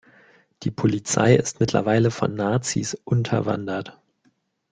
Die Polizei ist mittlerweile von Nazis unterwandert.